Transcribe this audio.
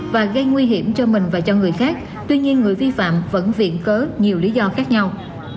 và gây nguy hiểm cho mình và cho người khác tuy nhiên người vi phạm vẫn viện cớ nhiều lý do khác nhau